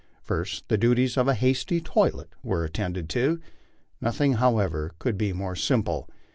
First, the duties of a hasty toilet were attended to. Nothing, however, could be more simple.